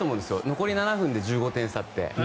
残り７分で１５点差って。